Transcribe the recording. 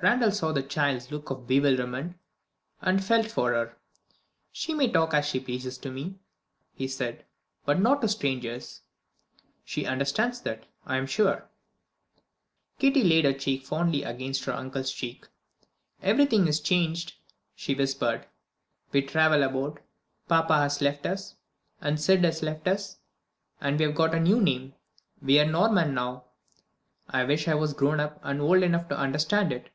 Randal saw the child's look of bewilderment, and felt for her. "She may talk as she pleases to me," he said "but not to strangers. She understands that, I am sure." Kitty laid her cheek fondly against her uncle's cheek. "Everything is changed," she whispered. "We travel about; papa has left us, and Syd has left us, and we have got a new name. We are Norman now. I wish I was grown up, and old enough to understand it."